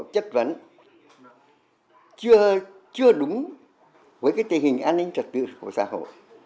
chất vấn chưa đúng với cái tình hình an ninh trật tự của xã hội